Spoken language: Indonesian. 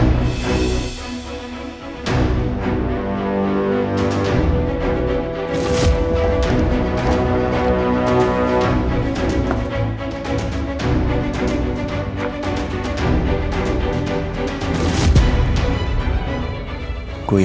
nggak ada uhh